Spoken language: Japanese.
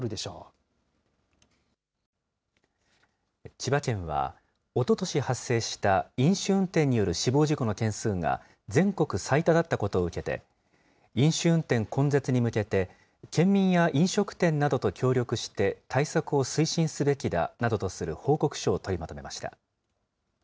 千葉県は、おととし発生した飲酒運転による死亡事故の件数が全国最多だったことを受けて、飲酒運転根絶に向けて、県民や飲食店などと協力して対策を推進すべきだなどとする報告書を取りまとめました。